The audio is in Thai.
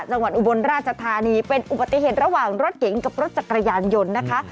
อุบลราชธานีเป็นอุบัติเหตุระหว่างรถเก๋งกับรถจักรยานยนต์นะคะ